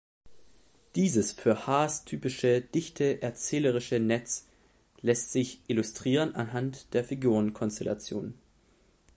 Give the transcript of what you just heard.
Dieses für Haas typische, dichte erzählerische Netz lässt sich illustrieren anhand der Figurenkonstellation.